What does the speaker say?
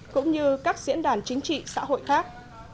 cũng như các diễn đàn chính trị xã hội khác